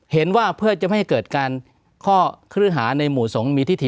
เห็นว่าเพื่อจะไม่ให้เกิดการข้อครึหาในหมู่สงฆ์มีพิธี